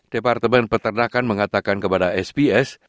departemen pertanakan mengatakan kepada sbs